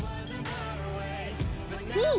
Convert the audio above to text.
うん！